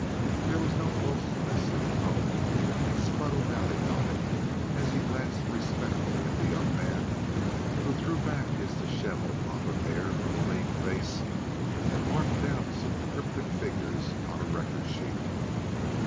There was no boastfulness in the tone, and Spud O'Malley nodded as he glanced respectfully at the young man who threw back his disheveled mop of hair from a lean face and marked down some cryptic figures on a record sheet.